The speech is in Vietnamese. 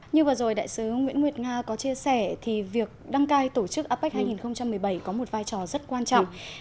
như vừa rồi đại sứ nguyễn nguyệt nga có chia sẻ thì việc đăng cai tổ chức apec hai nghìn một mươi bảy có một vai trò rất quan trọng